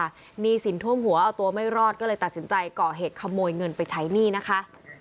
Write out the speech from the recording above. หนี้สินท่วมหัวเอาตัวไม่รอดก็เลยตัดสินใจก่อเหตุขโมยเงินไปใช้หนี้นะคะ